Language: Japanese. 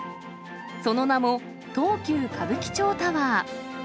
その名も東急歌舞伎町タワー。